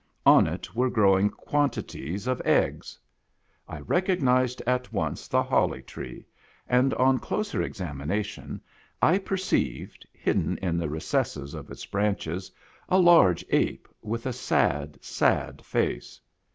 On it were growing quantities of eggs. 1 recognized at once the Holly Tree, and on closer examination I perceived, hidden in the recesses of its branches, a large ape, with a sad, sad face.